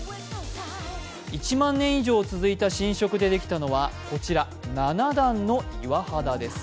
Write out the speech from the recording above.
１万年以上続いた侵食でできたのはこちら、７段の岩肌です。